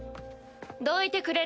・どいてくれる？